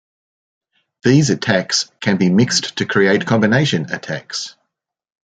These attacks can be mixed to create combination attacks.